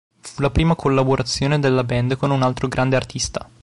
Fu la prima collaborazione della band con un altro grande artista.